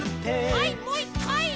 はいもう１かい！